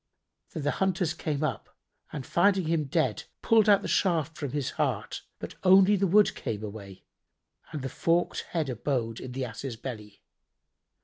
Then the hunters came up and finding him dead, pulled out the shaft from his heart, but only the wood came away and the forked head abode in the Ass's belly.